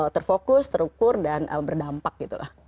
terfokus terukur dan berdampak gitu lah